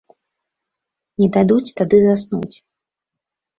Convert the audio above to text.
Не дадуць тады заснуць.